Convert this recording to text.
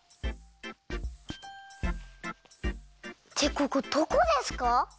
ここどこですか？